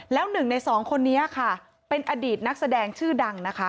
แล้วหนึ่งในสองคนนี้ค่ะเป็นอดีตนักแสดงชื่อดังนะคะ